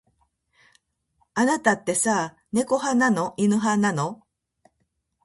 あなたってさ、猫派なの。犬派なの。